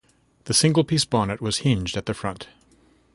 The single-piece bonnet was hinged at the front.